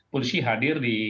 polisi hadir di